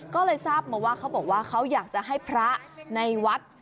ก็เลยทราบมาว่าเขาบอกว่าเขาอยากจะให้พระในวัด